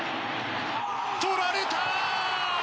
とられた！